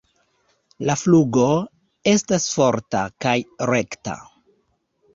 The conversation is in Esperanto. La flugo estas forta kaj rekta.